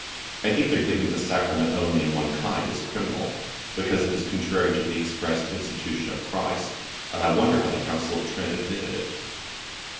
I think their giving the sacrament only in one kind is criminal, because it is contrary to the express institution of CHRIST, and I wonder how the Council of Trent admitted it.'